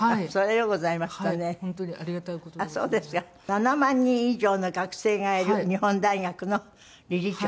７万人以上の学生がいる日本大学の理事長。